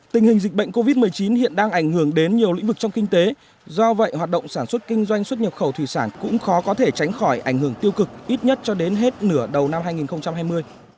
tình hình dịch bệnh covid một mươi chín hiện đang ảnh hưởng đến nhiều lĩnh vực trong kinh tế do vậy hoạt động sản xuất kinh doanh xuất nhập khẩu thủy sản cũng khó có thể tránh khỏi ảnh hưởng tiêu cực ít nhất cho đến hết nửa đầu năm hai nghìn hai mươi